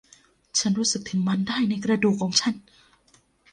ฉันรู้สึกถึงมันได้ในกระดูกของฉัน